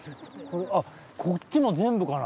こっちも全部かな？